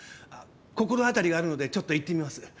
心当たりがあるのでちょっと行ってみます。